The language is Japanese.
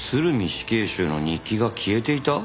死刑囚の日記が消えていた？